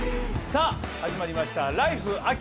さあ始まりました「ＬＩＦＥ！秋」。